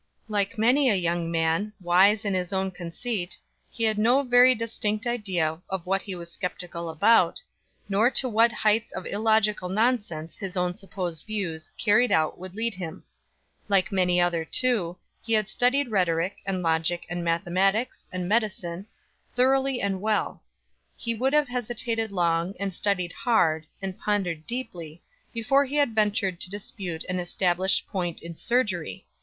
Like many a young man, wise in his own conceit, he had no very distinct idea of what he was skeptical about, nor to what hights of illogical nonsense his own supposed views, carried out, would lead him; like many another, too, he had studied rhetoric, and logic, and mathematics, and medicine, thoroughly and well; he would have hesitated long, and studied hard, and pondered deeply, before he had ventured to dispute an established point in surgery.